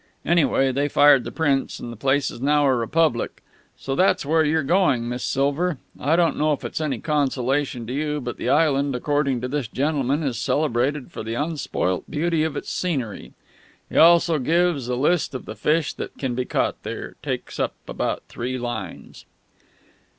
Anyway, they fired the prince, and the place is now a republic. So that's where you're going, Miss Silver. I don't know if it's any consolation to you, but the island, according to this gentleman, is celebrated for the unspoilt beauty of its scenery. He also gives a list of the fish that can be caught there. It takes up about three lines."